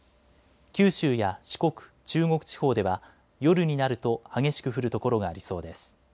九州や四国、中国地方では夜になると激しく降る所がありそうです。